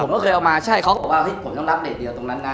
ผมก็เคยเอามาผ่าว่าต้องรับเลยอะตรงนั้นนะ